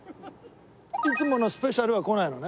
いつものスペシャルは来ないのね？